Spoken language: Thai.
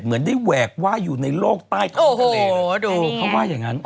เหมือนได้แหวกว่าอยู่ในโลกใต้ท้องทะเลโอ้โหดูเขาว่าอย่างงั้น